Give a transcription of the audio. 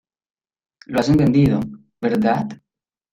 lo has entendido, ¿ verdad?